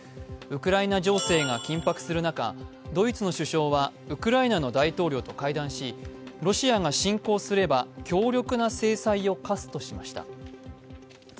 ウクライナ情勢が緊迫する中、ドイツの首相はウクライナの大統領と会談し、ロシアが侵攻すれば強力な制裁を科すとしました。